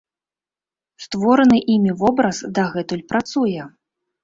Створаны імі вобраз дагэтуль працуе.